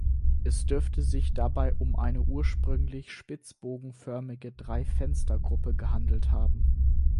Es dürfte sich dabei um eine ursprünglich spitzbogenförmige Dreifenstergruppe gehandelt haben.